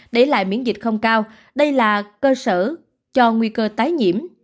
để lại miễn dịch không cao đây là cơ sở cho nguy cơ tái nhiễm